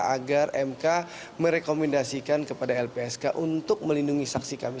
agar mk merekomendasikan kepada lpsk untuk melindungi saksi kami